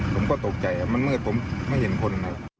ผมก็ตกใจมันมืดผมไม่เห็นคน